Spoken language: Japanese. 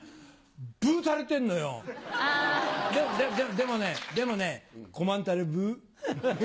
でもねでもねコマンタレブ。